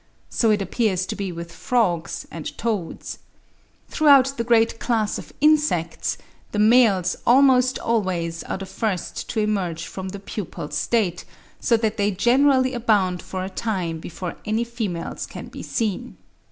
So it appears to be with frogs and toads. Throughout the great class of insects the males almost always are the first to emerge from the pupal state, so that they generally abound for a time before any females can be seen.